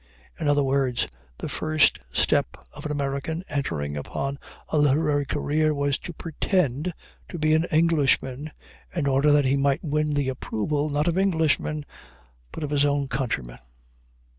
In other words, the first step of an American entering upon a literary career was to pretend to be an Englishman, in order that he might win the approval, not of Englishmen, but of his own countrymen.